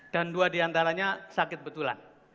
dan dua di antaranya sakit betulan